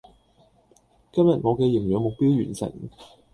今日我嘅營餋目標完成